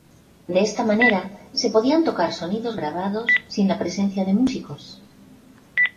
De esta manera se podían tocar sonidos grabados sin la presencia de músicos.